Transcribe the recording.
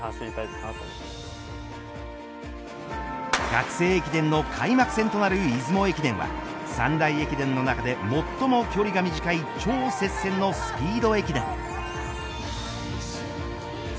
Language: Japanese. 学生駅伝の開幕戦となる出雲駅伝は三大駅伝の中で最も距離が短い超接戦のスピード駅伝。